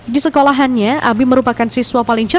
di sekolahannya abi merupakan siswa paling cepat